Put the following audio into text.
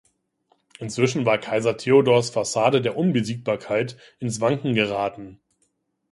Inzwischen war Kaiser Theodors Fassade der Unbesiegbarkeit ins Wanken geraten.